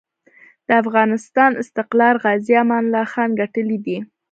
د افغانسان استقلار غازي امان الله خان ګټلی دی.